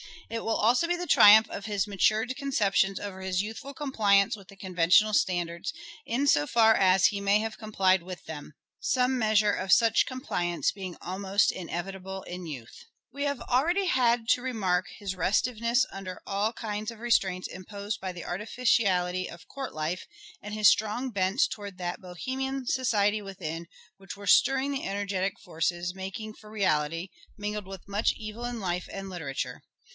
It will also be the triumph of his matured conceptions over his youthful compliance with con ventional standards, in so far as he may have complied with them ; some measure of such compliance being almost inevitable in youth, " SHAKESPEARE " IDENTIFIED Oxford's style and Shake speare's. We have already had to remark his restiveness under all kinds of restraints imposed by the artificiality of court life and his strong bent towards that Bohemian society within which were stirring the energetic forces making for reality, mingled with much evil in life and literature.